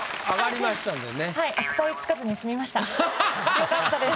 良かったです。